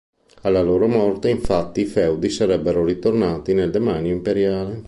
Alla loro morte, infatti, i feudi sarebbero ritornati nel demanio imperiale.